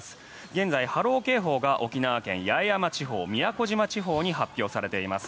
現在、波浪警報が沖縄県八重山地方宮古島地方に発表されています。